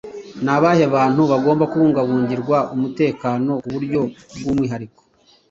Ni abahe bantu bagomba kubungabungirwa umutekano ku buryo bw’umwihariko?